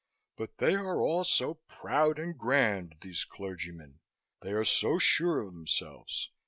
But they are all so proud and grand, these clergymen. They are so sure of themselves.